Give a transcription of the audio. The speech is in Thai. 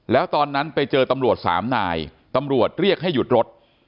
แล้วตอนนั้นไปเจอตำรวจสามนายตำรวจเรียกให้หยุดรถ